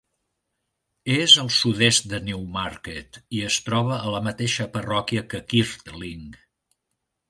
És al sud-est de Newmarket i es troba a la mateixa parròquia que Kirtling.